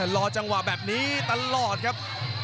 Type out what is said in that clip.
รอจังหวะแบบนี้ตลอดครับ